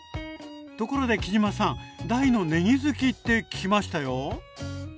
ところで杵島さん大のねぎ好きって聞きましたよ？